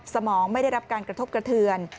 สมองไม่ได้รับการกระทบกระเทือน